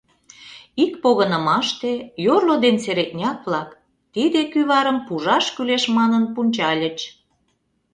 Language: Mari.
Ик погынымаште йорло ден середняк-влак тиде кӱварым пужаш кӱлеш манын пунчальыч.